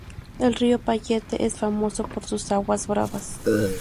El río Payette es famoso por sus aguas bravas.